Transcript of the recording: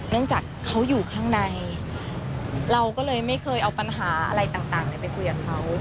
เนื่องจากเขาอยู่ข้างในเราก็เลยไม่เคยเอาปัญหาอะไรต่างไปคุยกับเขา